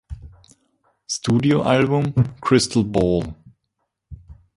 Studioalbum "Crystal Ball".